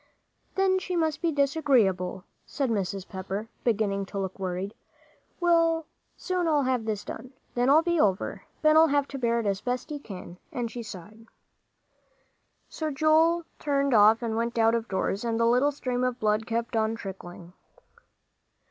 "Then she must be disagreeable," said Mrs. Pepper, beginning to look worried. "Well, I'll soon have this done, then I'll be over. Ben'll have to bear it as best he can," and she sighed. So Joel turned off and went out of doors, and the little stream of blood kept on trickling.